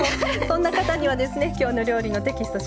そんな方にはですね「きょうの料理」のテキスト